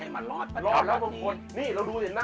คนที่เริ่มบ่น